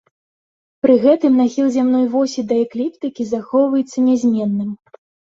Пры гэтым нахіл зямной восі да экліптыкі захоўваецца нязменным.